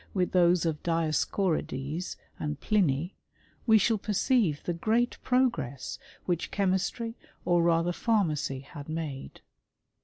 123 Vttb with those of Dioscorides and Pliny» we shall perceive the great progress which chemistry or rather pharmacy had made.